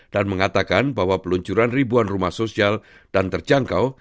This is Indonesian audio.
dan mengatakan bahwa peluncuran ribuan rumah sosial dan terjangkau